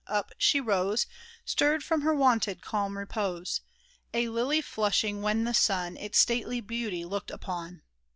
Up she rose, Stirred from her wonted calm repose, A lily flushing when the sun Its stately beauty looked upon